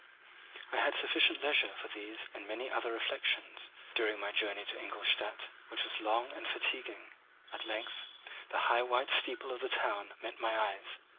I had sufficient leisure for these and many other reflections during my journey to Ingolstadt, which was long and fatiguing. At length the high white steeple of the town met my eyes.